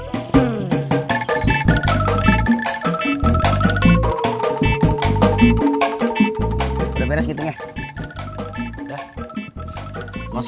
kan kita udah selesai nyuar belah